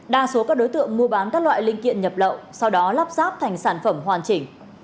đa số các đối tượng mua bán các loại linh kiện nhập lậu sau đó lắp ráp thành sản phẩm hoàn chỉnh